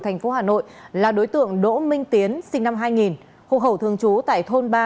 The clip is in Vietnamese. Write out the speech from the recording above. thành phố hà nội là đối tượng đỗ minh tiến sinh năm hai nghìn hộ hậu thương chú tại thôn ba